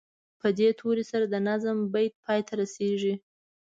په دې توري سره د نظم بیت پای ته رسیږي.